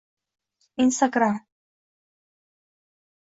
instagram